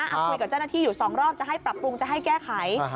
เอาคุยกับเจ้าหน้าที่อยู่๒รอบจะให้ปรับปรุงจะให้แก้ไข